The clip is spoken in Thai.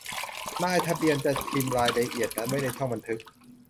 นายทะเบียนจะพิมพ์รายละเอียดนั้นไว้ในช่องบันทึก